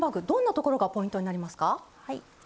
どんなところがポイントになりますか？